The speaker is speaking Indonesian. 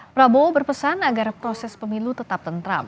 prabowo berpesan agar proses pemilu tetap tentram